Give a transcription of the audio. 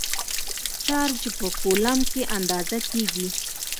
چارج په کولمب کې اندازه کېږي.